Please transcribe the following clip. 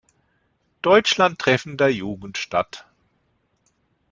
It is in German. Deutschlandtreffen der Jugend statt.